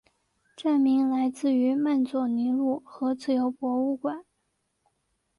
站名来自于曼佐尼路和自由博物馆。